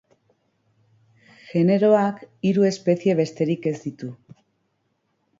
Generoak hiru espezie besterik ez ditu.